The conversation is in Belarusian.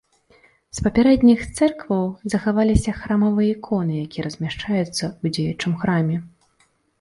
З папярэдніх цэркваў захаваліся храмавыя іконы, якія размяшчаюцца ў дзеючым храме.